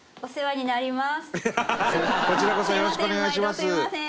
すみません。